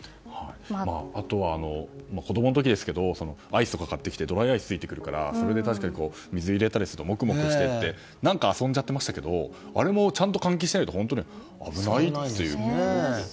あとは、子供の時ですけどアイスとか買ってきてドライアイスついてくるからそれで、水を入れたりするともくもくとして遊んじゃっていましたけどあれも換気しないと危ないですよね。